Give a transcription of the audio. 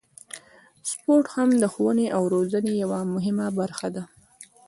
سپورت هم د ښوونې او روزنې یوه مهمه برخه ده.